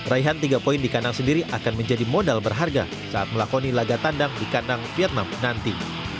raihan tiga poin di kandang sendiri akan menjadi modal berharga saat melakoni laga tandang di kandang vietnam nanti